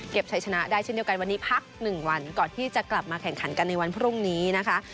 ใช้ชนะได้เช่นเดียวกันวันนี้พัก๑วันก่อนที่จะกลับมาแข่งขันกันในวันพรุ่งนี้นะคะ